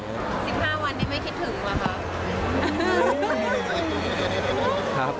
๑๕วันที่ไม่คิดถึงมาปะ